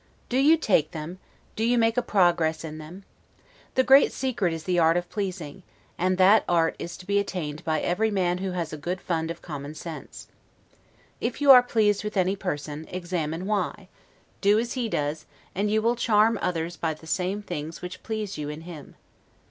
Do you take them, do you make a progress in them? The great secret is the art of pleasing; and that art is to be attained by every man who has a good fund of common sense. If you are pleased with any person, examine why; do as he does; and you will charm others by the same things which please you in him.